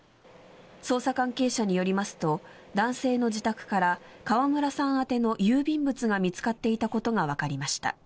捜査関係者によりますと男性の自宅から川村さん宛ての郵便物が見つかっていたことがわかりました。